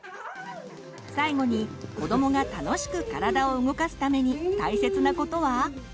最後に子どもが楽しく体を動かすために大切なことは？